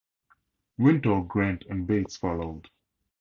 Wintour, Grant and Bates followed.